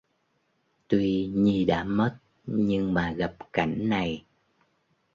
Tuy nhi đã mất nhưng mà gặp cảnh này